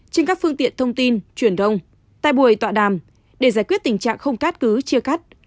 trên các phương tiện thông tin truyền đông tai bùi tọa đàm để giải quyết tình trạng không cát cứ chia cắt